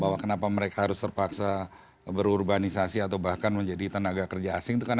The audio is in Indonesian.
bahwa kenapa mereka harus terpaksa berurbanisasi atau bahkan menjadi tenaga kerja asing itu kan